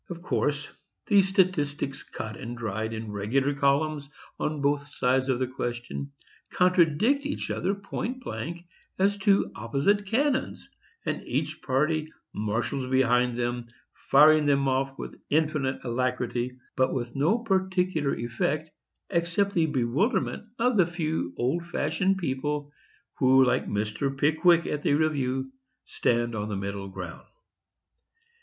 Of course, the statistics, cut and dried, in regular columns, on both sides of the question, contradict each other point blank as two opposite cannons; and each party marshals behind them, firing them off with infinite alacrity, but with no particular effect, except the bewilderment of the few old fashioned people, who, like Mr. Pickwick at the review, stand on the middle ground.